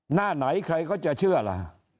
หน้าไหนใครก็จะเชื่อล่ะ